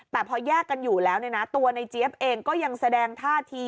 แต่พอแยกกันอยู่แล้วเนี่ยนะตัวในเจี๊ยบเองก็ยังแสดงท่าที